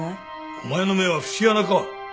お前の目は節穴か？